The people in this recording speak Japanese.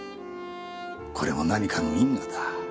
これも何かの因果だ。